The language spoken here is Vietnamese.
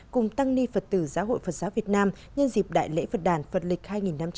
cùng tăng ni phật tử giáo hội phật giáo việt nam nhân dịp đại lễ phật đàn phật lịch hai nghìn năm trăm sáu mươi bốn